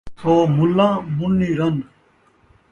سو ملاں ، منّی رن